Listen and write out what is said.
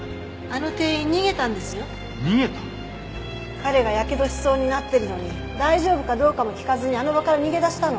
彼が火傷しそうになってるのに大丈夫かどうかも聞かずにあの場から逃げ出したの。